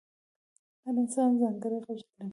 هر انسان ځانګړی غږ لري.